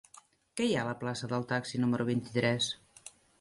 Què hi ha a la plaça del Taxi número vint-i-tres?